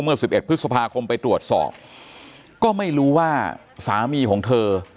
เมื่อ๑๑พฤษภาคมไปตรวจสอบก็ไม่รู้ว่าสามีของเธอ